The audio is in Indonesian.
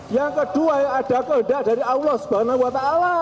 yang kedua yang ada kehendak dari allah swt